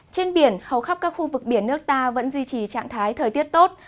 trên biển hầu khắp các khu vực biển nước ta vẫn duy trì trạng thái thời tiết tốt